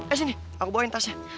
eh sini aku bawain tasnya